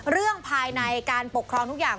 เรื่องภายในการปกครองทุกอย่าง